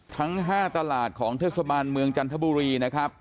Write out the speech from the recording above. ทั้ง๕ตลาดของเทศบาลเมืองจันทบุรีนะครับ